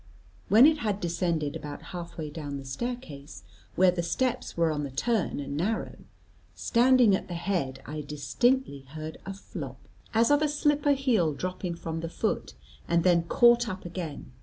When it had descended about half way down the staircase, where the steps were on the turn and narrow, standing at the head I distinctly heard a flop, as of a slipper heel dropping from the foot, and then caught up again.